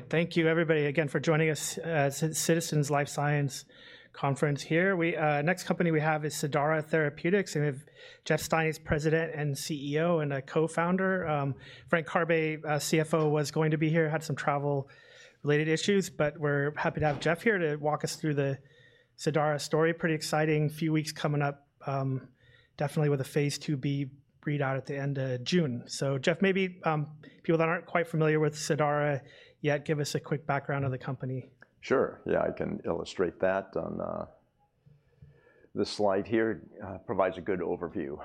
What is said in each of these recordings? All right, thank you everybody again for joining us at Citizens Life Science Conference here. Next company we have is Cidara Therapeutics, and we have Jeff Stein, he's President and CEO and a co-founder. Frank Karbe, CFO, was going to be here, had some travel-related issues, but we're happy to have Jeff here to walk us through the Cidara story. Pretty exciting few weeks coming up, definitely with a phase 2B readout at the end of June. Jeff, maybe people that aren't quite familiar with Cidara yet, give us a quick background on the company. Sure, yeah, I can illustrate that on this slide here, provides a good overview.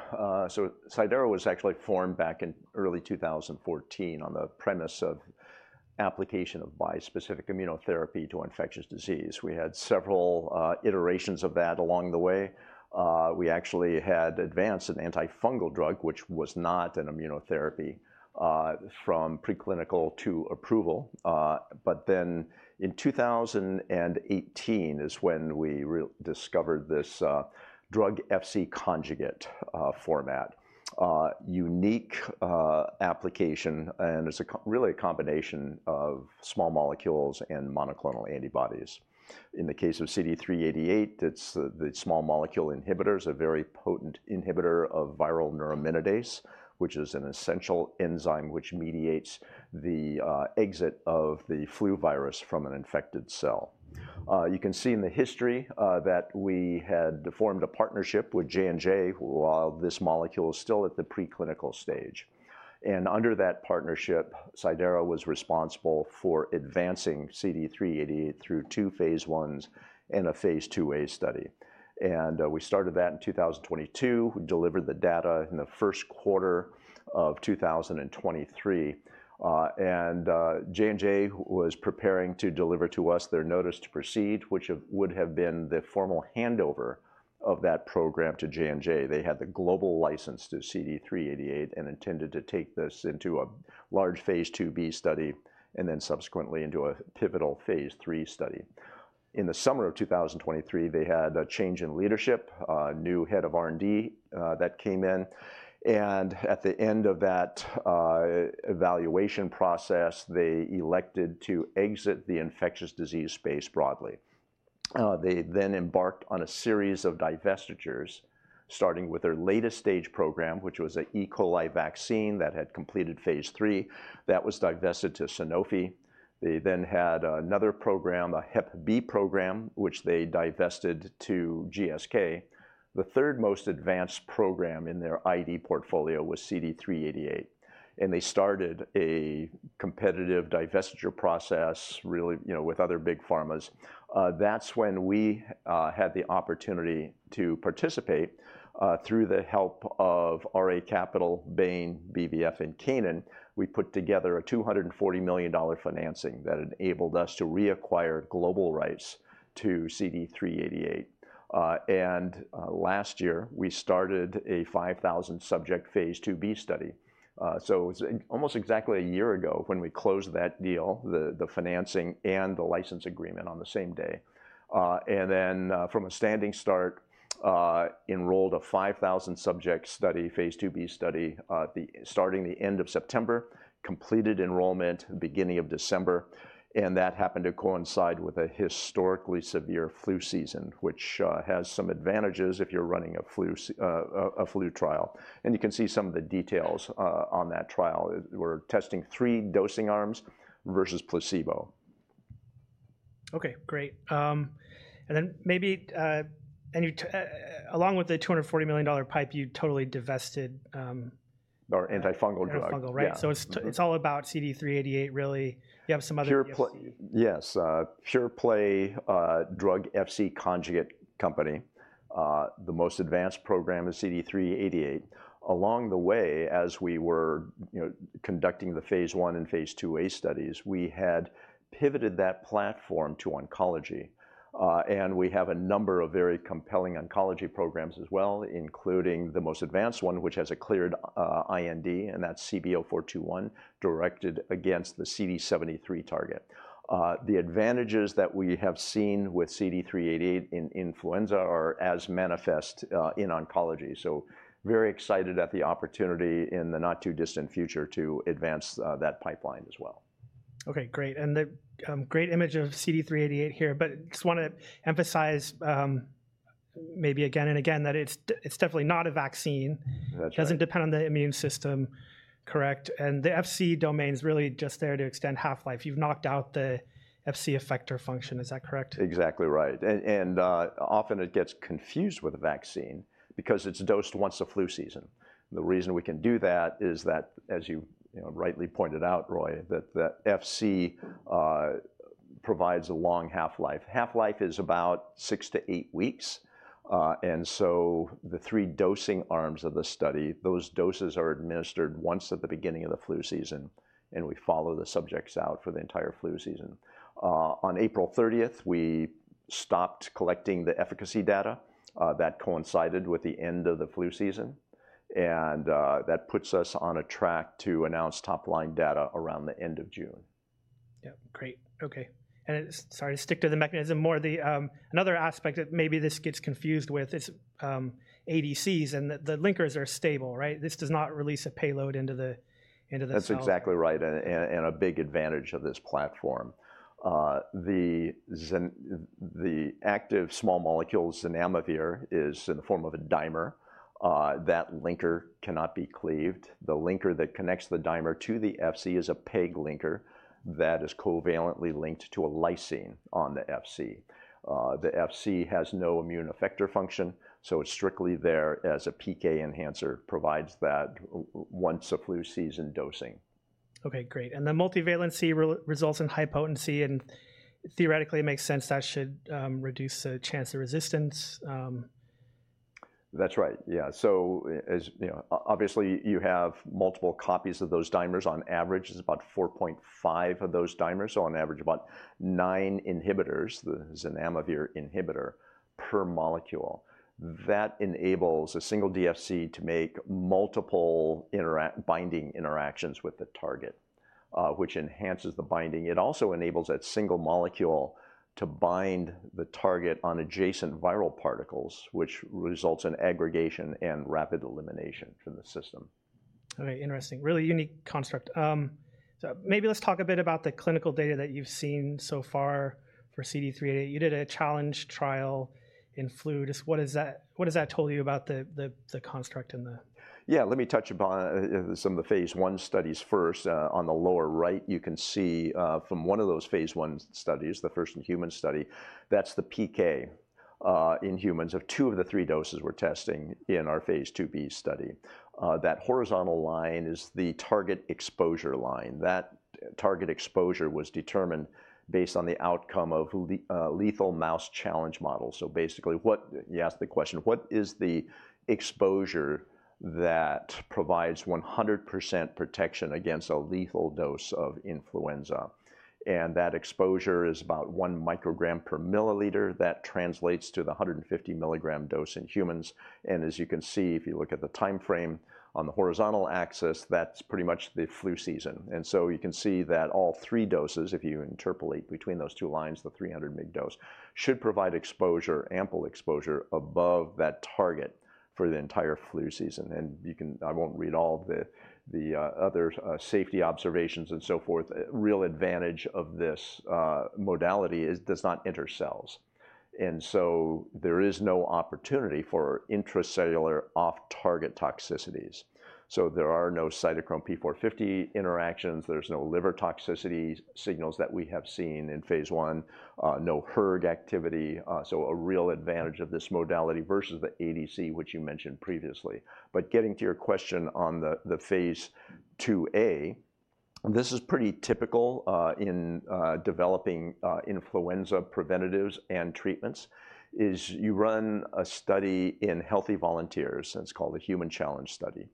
Cidara was actually formed back in early 2014 on the premise of application of bispecific immunotherapy to infectious disease. We had several iterations of that along the way. We actually had advanced an antifungal drug, which was not an immunotherapy, from preclinical to approval. Then in 2018 is when we discovered this drug-Fc conjugate format, unique application, and it's really a combination of small molecules and monoclonal antibodies. In the case of CD388, it's the small molecule inhibitors, a very potent inhibitor of viral neuraminidase, which is an essential enzyme that mediates the exit of the flu virus from an infected cell. You can see in the history that we had formed a partnership with J&J while this molecule was still at the preclinical stage. Under that partnership, Cidara was responsible for advancing CD388 through two phase 1s and a phase 2A study. We started that in 2022, delivered the data in the first quarter of 2023. J&J was preparing to deliver to us their notice to proceed, which would have been the formal handover of that program to J&J. They had the global license to CD388 and intended to take this into a large phase 2B study and then subsequently into a pivotal phase 3 study. In the summer of 2023, they had a change in leadership, a new head of R&D that came in. At the end of that evaluation process, they elected to exit the infectious disease space broadly. They then embarked on a series of divestitures, starting with their latest stage program, which was an E. coli vaccine that had completed phase three, that was divested to Sanofi. They then had another program, a Hep B program, which they divested to GSK. The third most advanced program in their ID portfolio was CD388. They started a competitive divestiture process, really, you know, with other big pharmas. That's when we had the opportunity to participate through the help of RA Capital, Bain, BVF, and Canaan. We put together a $240 million financing that enabled us to reacquire global rights to CD388. Last year, we started a 5,000 subject phase two B study. It was almost exactly a year ago when we closed that deal, the financing and the license agreement on the same day. From a standing start, enrolled a 5,000 subject study, phase two B study, starting the end of September, completed enrollment beginning of December. That happened to coincide with a historically severe flu season, which has some advantages if you're running a flu trial. You can see some of the details on that trial. We're testing three dosing arms versus placebo. Okay, great. And then maybe, along with the $240 million pipe, you totally divested. Our antifungal drug. Antifungal, right? It's all about CD388, really. You have some other drugs. Okay, great. The great image of CD388 here, but I just want to emphasize maybe again and again that it's definitely not a vaccine. That's right. It doesn't depend on the immune system, correct? And the Fc domain's really just there to extend half-life. You've knocked out the Fc effector function, is that correct? Exactly right. Often it gets confused with a vaccine because it is dosed once a flu season. The reason we can do that is that, as you rightly pointed out, Roy, that Fc provides a long half-life. Half-life is about six to eight weeks. The three dosing arms of the study, those doses are administered once at the beginning of the flu season, and we follow the subjects out for the entire flu season. On April 30, we stopped collecting the efficacy data. That coincided with the end of the flu season. That puts us on a track to announce top-line data around the end of June. Yep, great. Okay. Sorry to stick to the mechanism more, another aspect that maybe this gets confused with is ADCs and that the linkers are stable, right? This does not release a payload into the cell. That's exactly right. A big advantage of this platform. The active small molecule zanamivir is in the form of a dimer. That linker cannot be cleaved. The linker that connects the dimer to the Fc is a PEG linker that is covalently linked to a lysine on the Fc. The Fc has no immune effector function, so it's strictly there as a PK enhancer, provides that once a flu season dosing. Okay, great. The multivalency results in high potency, and theoretically it makes sense that should reduce the chance of resistance. That's right, yeah. Obviously you have multiple copies of those dimers. On average, it's about 4.5 of those dimers, so on average about nine inhibitors, the zanamivir inhibitor per molecule. That enables a single DFC to make multiple binding interactions with the target, which enhances the binding. It also enables that single molecule to bind the target on adjacent viral particles, which results in aggregation and rapid elimination from the system. Okay, interesting. Really unique construct. Maybe let's talk a bit about the clinical data that you've seen so far for CD388. You did a challenge trial in flu. What has that told you about the construct and the? Yeah, let me touch upon some of the phase one studies first. On the lower right, you can see from one of those phase one studies, the first in human study, that's the PK in humans of two of the three doses we're testing in our phase 2B study. That horizontal line is the target exposure line. That target exposure was determined based on the outcome of lethal mouse challenge models. Basically, you asked the question, what is the exposure that provides 100% protection against a lethal dose of influenza? That exposure is about 1 microgram per milliliter. That translates to the 150 milligram dose in humans. As you can see, if you look at the timeframe on the horizontal axis, that's pretty much the flu season. You can see that all three doses, if you interpolate between those two lines, the 300 mg dose should provide exposure, ample exposure above that target for the entire flu season. I will not read all the other safety observations and so forth. The real advantage of this modality is it does not enter cells. There is no opportunity for intracellular off-target toxicities. There are no cytochrome P450 interactions. There is no liver toxicity signals that we have seen in phase 1, no hERG activity. A real advantage of this modality versus the ADC, which you mentioned previously. Getting to your question on the phase 2A, this is pretty typical in developing influenza preventatives and treatments, is you run a study in healthy volunteers, and it is called a human challenge study.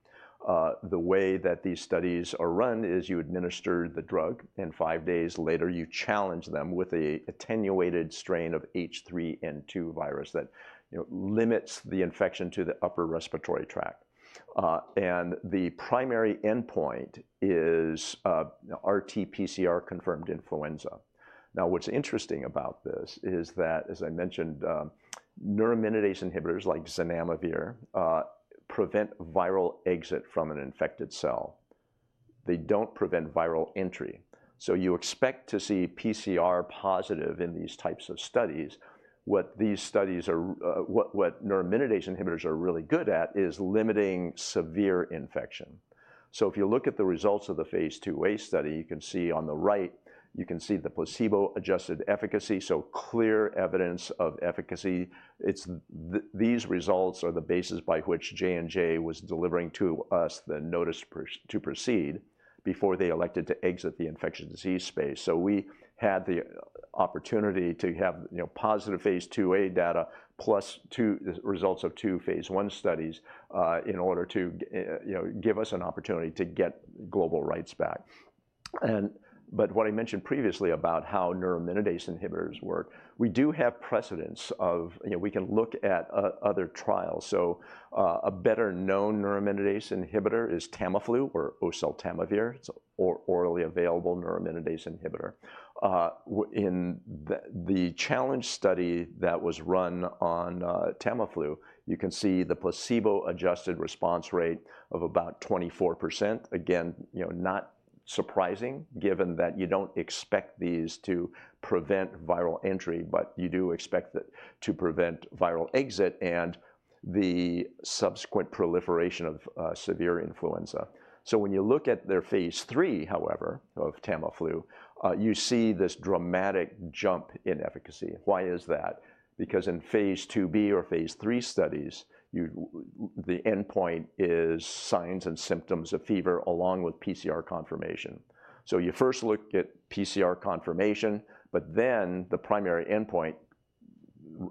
The way that these studies are run is you administer the drug, and five days later you challenge them with an attenuated strain of H3N2 virus that limits the infection to the upper respiratory tract. The primary endpoint is RT-PCR confirmed influenza. Now, what's interesting about this is that, as I mentioned, neuraminidase inhibitors like zanamivir prevent viral exit from an infected cell. They don't prevent viral entry. You expect to see PCR positive in these types of studies. What these studies are, what neuraminidase inhibitors are really good at is limiting severe infection. If you look at the results of the phase 2A study, you can see on the right, you can see the placebo-adjusted efficacy, so clear evidence of efficacy. These results are the basis by which J&J was delivering to us the notice to proceed before they elected to exit the infectious disease space. We had the opportunity to have positive phase 2A data plus results of two phase 1 studies in order to give us an opportunity to get global rights back. What I mentioned previously about how neuraminidase inhibitors work, we do have precedence of, we can look at other trials. A better known neuraminidase inhibitor is Tamiflu or oseltamivir, orally available neuraminidase inhibitor. In the challenge study that was run on Tamiflu, you can see the placebo-adjusted response rate of about 24%. Again, not surprising given that you do not expect these to prevent viral entry, but you do expect to prevent viral exit and the subsequent proliferation of severe influenza. When you look at their phase 3, however, of Tamiflu, you see this dramatic jump in efficacy. Why is that? Because in phase 2B or phase 3 studies, the endpoint is signs and symptoms of fever along with PCR confirmation. You first look at PCR confirmation, but then the primary endpoint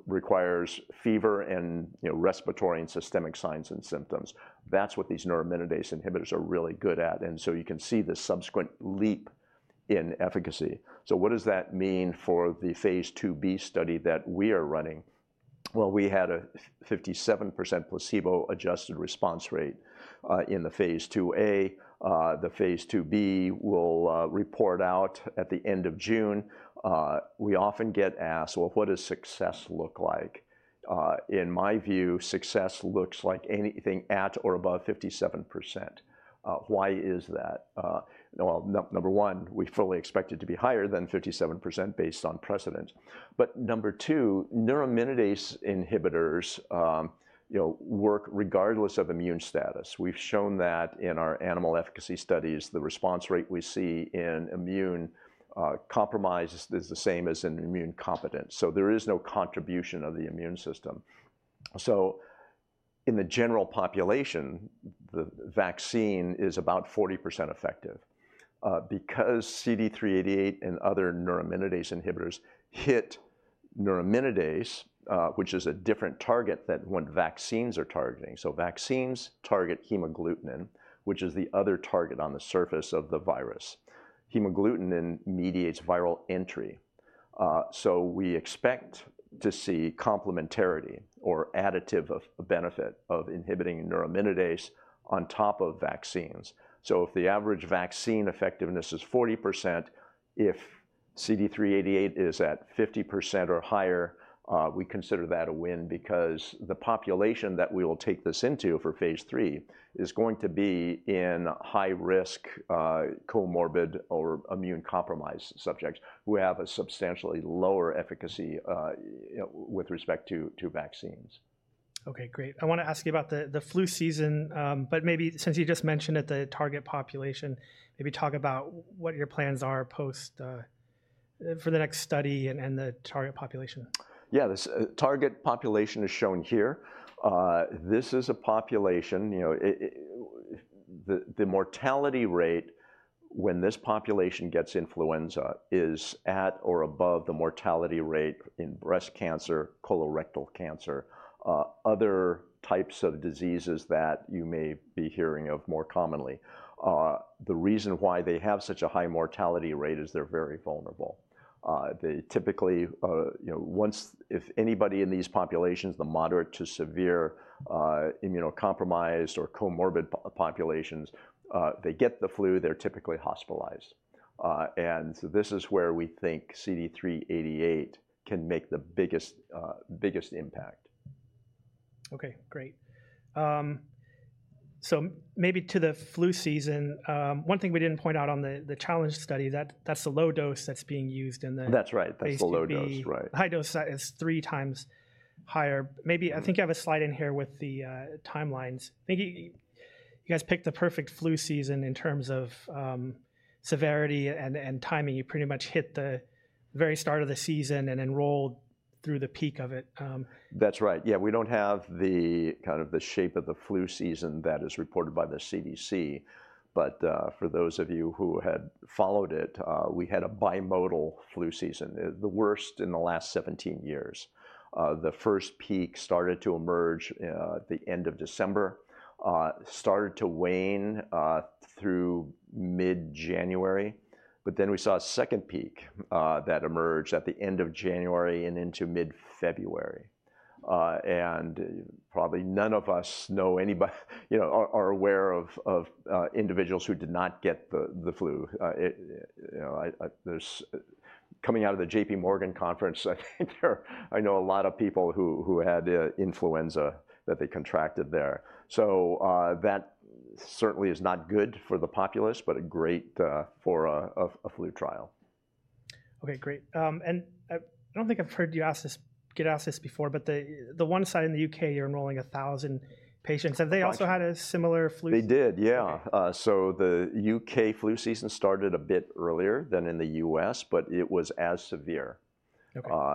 requires fever and respiratory and systemic signs and symptoms. That is what these neuraminidase inhibitors are really good at. You can see the subsequent leap in efficacy. What does that mean for the phase 2B study that we are running? We had a 57% placebo-adjusted response rate in the phase 2A. The phase 2B will report out at the end of June. We often get asked, what does success look like? In my view, success looks like anything at or above 57%. Why is that? Number one, we fully expect it to be higher than 57% based on precedence. Number two, neuraminidase inhibitors work regardless of immune status. We've shown that in our animal efficacy studies, the response rate we see in immune compromise is the same as in immune competence. There is no contribution of the immune system. In the general population, the vaccine is about 40% effective because CD388 and other neuraminidase inhibitors hit neuraminidase, which is a different target than what vaccines are targeting. Vaccines target hemagglutinin, which is the other target on the surface of the virus. Hemagglutinin mediates viral entry. We expect to see complementarity or additive benefit of inhibiting neuraminidase on top of vaccines. If the average vaccine effectiveness is 40%, if CD388 is at 50% or higher, we consider that a win because the population that we will take this into for phase three is going to be in high-risk comorbid or immune compromised subjects who have a substantially lower efficacy with respect to vaccines. Okay, great. I want to ask you about the flu season, but maybe since you just mentioned that the target population, maybe talk about what your plans are for the next study and the target population. Yeah, the target population is shown here. This is a population. The mortality rate when this population gets influenza is at or above the mortality rate in breast cancer, colorectal cancer, other types of diseases that you may be hearing of more commonly. The reason why they have such a high mortality rate is they're very vulnerable. They typically, if anybody in these populations, the moderate to severe immunocompromised or comorbid populations, they get the flu, they're typically hospitalized. This is where we think CD388 can make the biggest impact. Okay, great. Maybe to the flu season, one thing we didn't point out on the challenge study, that's the low dose that's being used in the. That's right. That's the low dose, right. High dose is three times higher. Maybe I think you have a slide in here with the timelines. You guys picked the perfect flu season in terms of severity and timing. You pretty much hit the very start of the season and enrolled through the peak of it. That's right. Yeah, we don't have the kind of the shape of the flu season that is reported by the CDC. But for those of you who had followed it, we had a bimodal flu season, the worst in the last 17 years. The first peak started to emerge at the end of December, started to wane through mid-January, but then we saw a second peak that emerged at the end of January and into mid-February. And probably none of us know anybody or are aware of individuals who did not get the flu. Coming out of the JPMorgan conference, I know a lot of people who had influenza that they contracted there. So that certainly is not good for the populace, but great for a flu trial. Okay, great. I do not think I have heard you get asked this before, but the one site in the U.K., you are enrolling 1,000 patients. Have they also had a similar flu? They did, yeah. The U.K. flu season started a bit earlier than in the U.S., but it was as severe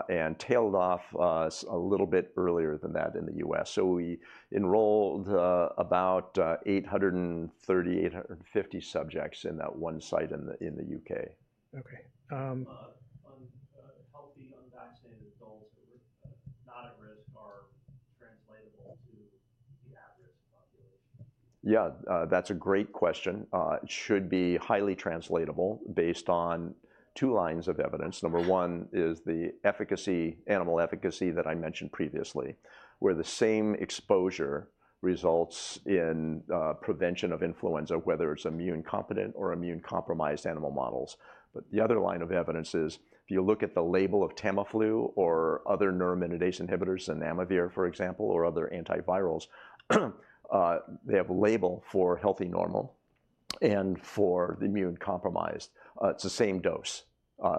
and tailed off a little bit earlier than that in the U.S. We enrolled about 830-850 subjects in that one site in the U.K. Okay. On healthy unvaccinated adults who are not at risk or translatable to the at-risk population? Yeah, that's a great question. It should be highly translatable based on two lines of evidence. Number one is the animal efficacy that I mentioned previously, where the same exposure results in prevention of influenza, whether it's immune competent or immune compromised animal models. The other line of evidence is if you look at the label of Tamiflu or other neuraminidase inhibitors, zanamivir for example, or other antivirals, they have a label for healthy normal and for the immunocompromised. It's the same dose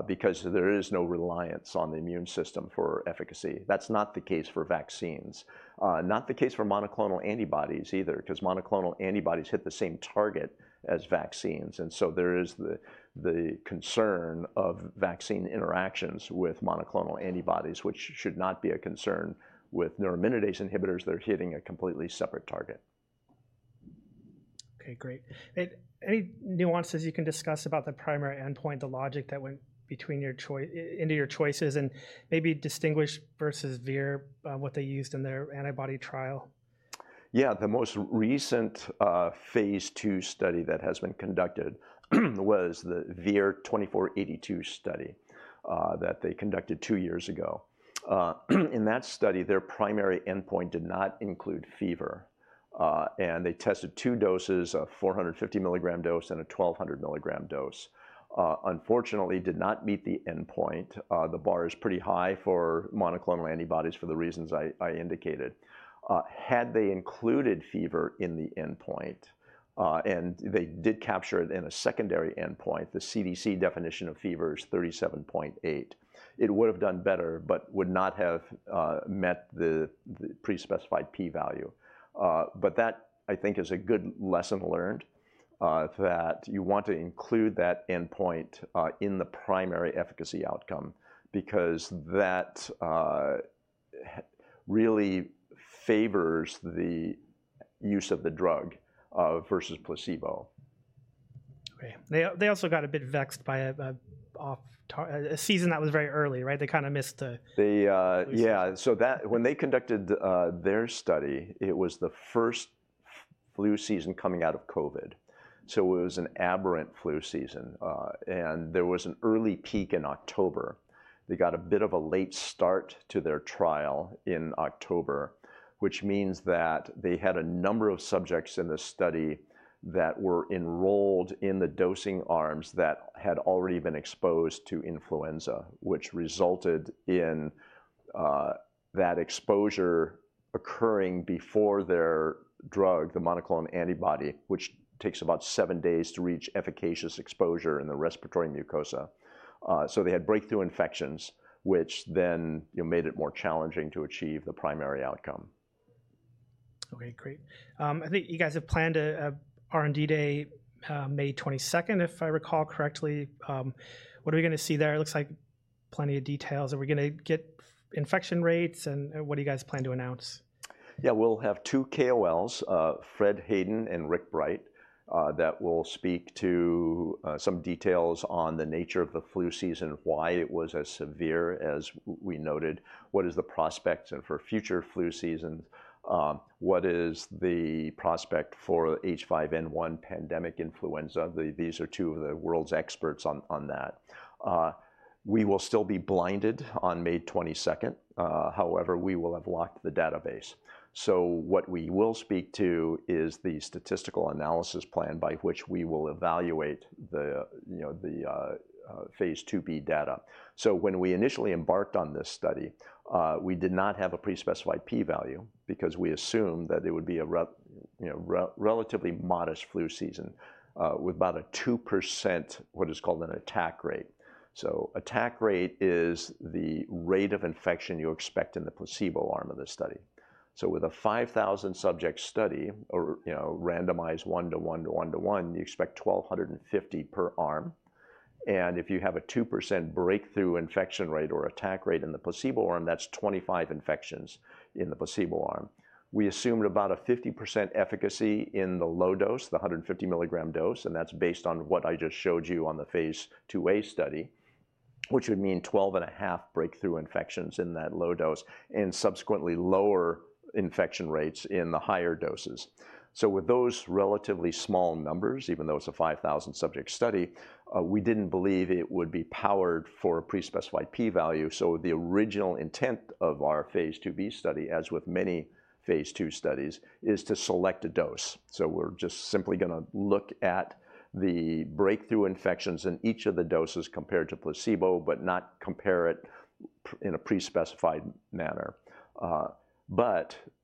because there is no reliance on the immune system for efficacy. That's not the case for vaccines. Not the case for monoclonal antibodies either, because monoclonal antibodies hit the same target as vaccines. There is the concern of vaccine interactions with monoclonal antibodies, which should not be a concern with neuraminidase inhibitors. They're hitting a completely separate target. Okay, great. Any nuances you can discuss about the primary endpoint, the logic that went into your choices and maybe distinguish versus Vir what they used in their antibody trial? Yeah, the most recent phase two study that has been conducted was the VIR-2482 study that they conducted two years ago. In that study, their primary endpoint did not include fever. And they tested two doses, a 450 milligram dose and a 1,200 milligram dose. Unfortunately, did not meet the endpoint. The bar is pretty high for monoclonal antibodies for the reasons I indicated. Had they included fever in the endpoint, and they did capture it in a secondary endpoint, the CDC definition of fever is 37.8, it would have done better, but would not have met the pre-specified p-value. That, I think, is a good lesson learned that you want to include that endpoint in the primary efficacy outcome because that really favors the use of the drug versus placebo. Okay. They also got a bit vexed by a season that was very early, right? They kind of missed the. Yeah. When they conducted their study, it was the first flu season coming out of COVID. It was an aberrant flu season. There was an early peak in October. They got a bit of a late start to their trial in October, which means that they had a number of subjects in the study that were enrolled in the dosing arms that had already been exposed to influenza, which resulted in that exposure occurring before their drug, the monoclonal antibody, which takes about seven days to reach efficacious exposure in the respiratory mucosa. They had breakthrough infections, which then made it more challenging to achieve the primary outcome. Okay, great. I think you guys have planned an R&D day, May 22nd, if I recall correctly. What are we going to see there? It looks like plenty of details. Are we going to get infection rates and what do you guys plan to announce? Yeah, we'll have two KOLs, Fred Hayden and Rick Bright, that will speak to some details on the nature of the flu season, why it was as severe as we noted, what is the prospect for future flu seasons, what is the prospect for H5N1 pandemic influenza. These are two of the world's experts on that. We will still be blinded on May 22nd. However, we will have locked the database. What we will speak to is the statistical analysis plan by which we will evaluate the phase 2B data. When we initially embarked on this study, we did not have a pre-specified p-value because we assumed that it would be a relatively modest flu season with about a 2% attack rate. Attack rate is the rate of infection you expect in the placebo arm of the study. With a 5,000 subject study, randomized one to one to one to one, you expect 1,250 per arm. If you have a 2% breakthrough infection rate or attack rate in the placebo arm, that's 25 infections in the placebo arm. We assumed about a 50% efficacy in the low dose, the 150 milligram dose, and that's based on what I just showed you on the phase 2A study, which would mean 12.5 breakthrough infections in that low dose and subsequently lower infection rates in the higher doses. With those relatively small numbers, even though it's a 5,000 subject study, we didn't believe it would be powered for a pre-specified p-value. The original intent of our phase 2B study, as with many phase 2 studies, is to select a dose. We're just simply going to look at the breakthrough infections in each of the doses compared to placebo, but not compare it in a pre-specified manner.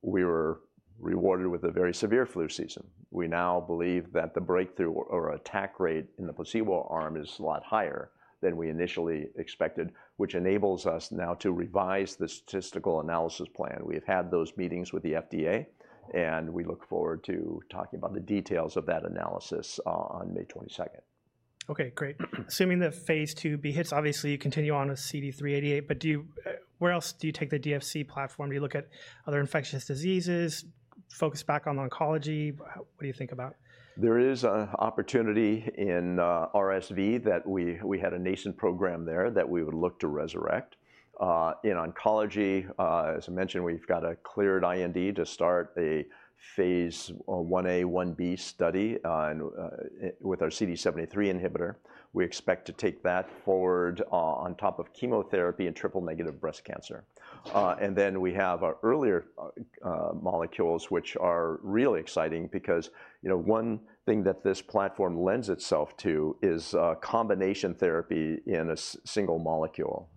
We were rewarded with a very severe flu season. We now believe that the breakthrough or attack rate in the placebo arm is a lot higher than we initially expected, which enables us now to revise the statistical analysis plan. We've had those meetings with the FDA, and we look forward to talking about the details of that analysis on May 22nd. Okay, great. Assuming that phase 2B hits, obviously you continue on with CD388, but where else do you take the DFC platform? Do you look at other infectious diseases, focus back on oncology? What do you think about? There is an opportunity in RSV that we had a nascent program there that we would look to resurrect. In oncology, as I mentioned, we've got a cleared IND to start a phase 1A, 1B study with our CD73 inhibitor. We expect to take that forward on top of chemotherapy in triple negative breast cancer. We have our earlier molecules, which are really exciting because one thing that this platform lends itself to is combination therapy in a single molecule.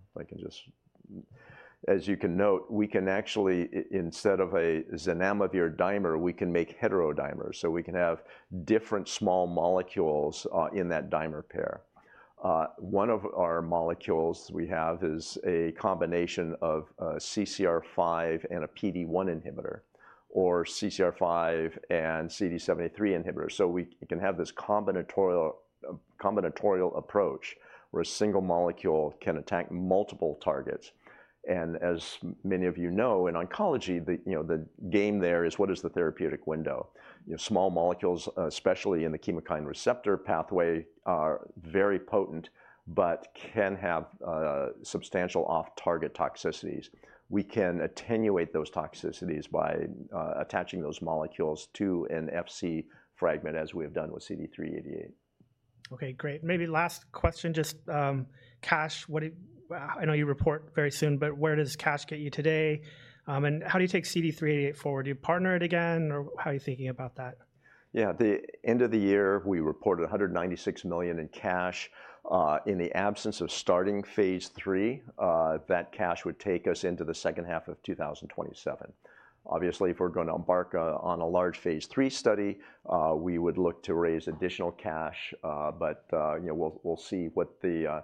As you can note, we can actually, instead of a zanamivir dimer, we can make heterodimers. We can have different small molecules in that dimer pair. One of our molecules we have is a combination of CCR5 and a PD-1 inhibitor or CCR5 and CD73 inhibitor. We can have this combinatorial approach where a single molecule can attack multiple targets. As many of you know, in oncology, the game there is what is the therapeutic window? Small molecules, especially in the chemokine receptor pathway, are very potent, but can have substantial off-target toxicities. We can attenuate those toxicities by attaching those molecules to an Fc fragment as we have done with CD388. Okay, great. Maybe last question, just cash. I know you report very soon, but where does cash get you today? How do you take CD388 forward? Do you partner it again or how are you thinking about that? Yeah, at the end of the year, we reported $196 million in cash. In the absence of starting phase three, that cash would take us into the second half of 2027. Obviously, if we're going to embark on a large phase three study, we would look to raise additional cash, but we'll see what the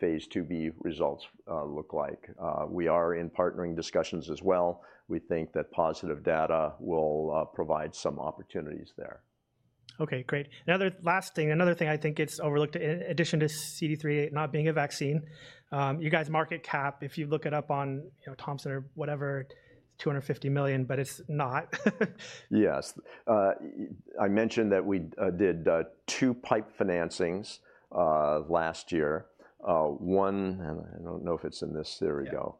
phase 2B results look like. We are in partnering discussions as well. We think that positive data will provide some opportunities there. Okay, great. Another last thing, another thing I think gets overlooked in addition to CD388 not being a vaccine. You guys' market cap, if you look it up on Thomson or whatever, it's $250 million, but it's not. Yes. I mentioned that we did two pipe financings last year. One, and I do not know if it is in this, there we go.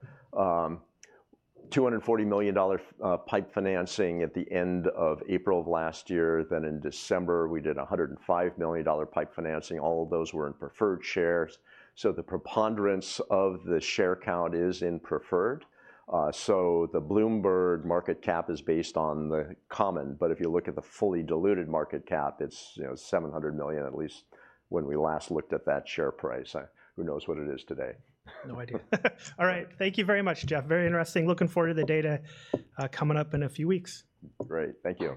$240 million pipe financing at the end of April of last year. Then in December, we did $105 million pipe financing. All of those were in preferred shares. So the preponderance of the share count is in preferred. The Bloomberg market cap is based on the common. If you look at the fully diluted market cap, it is $700 million at least when we last looked at that share price. Who knows what it is today? No idea. All right. Thank you very much, Jeff. Very interesting. Looking forward to the data coming up in a few weeks. Great. Thank you.